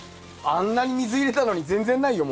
あんなに水入れたのに全然ないよ